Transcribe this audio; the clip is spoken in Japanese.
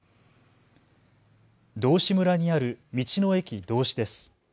道志村にある道の駅どうしです。